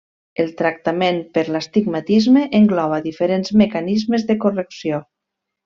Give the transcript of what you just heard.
El tractament per l'astigmatisme engloba diferents mecanismes de correcció.